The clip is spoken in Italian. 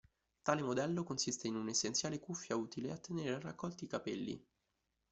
Tale modello consiste in un'essenziale cuffia utile a tenere a raccolti i capelli.